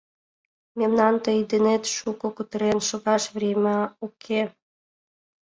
— Мемнан тый денет шуко кутырен шогаш врема уке.